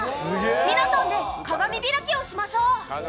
皆さんで、鏡開きをしましょう。